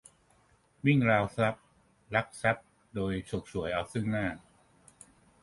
- วิ่งราวทรัพย์ ลักทรัพย์โดย ฉกฉวยเอาซึ่งหน้า